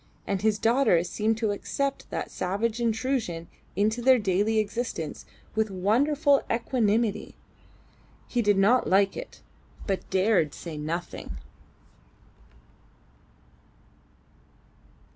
And his daughter seemed to accept that savage intrusion into their daily existence with wonderful equanimity. He did not like it, but dared say nothing.